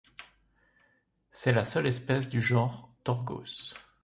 C'est la seule espèce du genre Torgos.